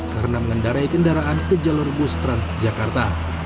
karena mengendarai kendaraan ke jalur bus transjakarta